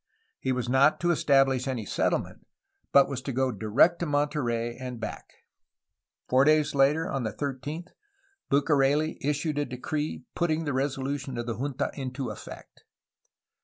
He was not to establish any settlement, but was to go direct to Monterey and back. Four days later, on the 13th, Bucareli issued a decree putting the resolution of the junta into effect.